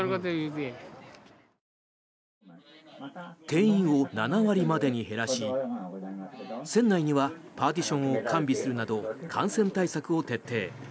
定員を７割までに減らし船内にはパーティションを完備するなど感染対策を徹底。